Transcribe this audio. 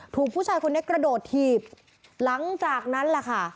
ถูกผู้ชายคนนี้กระโดดถีบหลังจากนั้นแหละค่ะ